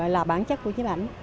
là bản chất của nhếp ảnh